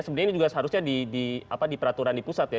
sebenarnya ini juga seharusnya di peraturan di pusat ya